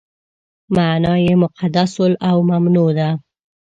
معنا یې مقدس او ممنوع ده.